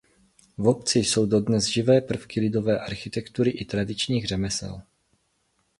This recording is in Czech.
V obci jsou dodnes živé prvky lidové architektury i tradičních řemesel.